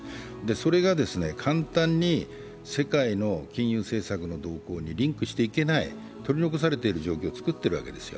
それが簡単に世界の金融政策の動向にリンクしていけない取り残されている状況を作ってるわけですよ。